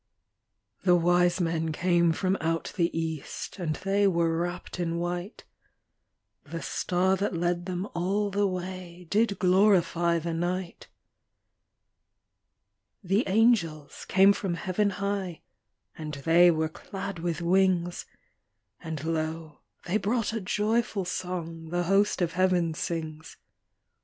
The wise men came from out the east, And they were wrapped in white; The star that led them all the way Did glorify the night. The angels came from heaven high, And they were clad with wings; And lo, they brought a joyful song The host of heaven sings.